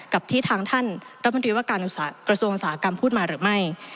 กับที่ทางท่านรัฐมนตรีว่าการกระทรวงอุตสาหกรรมพูดมาหรือไม่